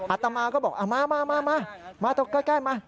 อาตมาก็บอกมามาตรงใกล้มา